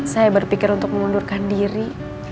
saya berpikir untuk mengundurkan diri